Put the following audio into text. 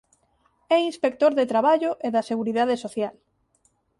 É Inspector de Traballo e da Seguridade Social.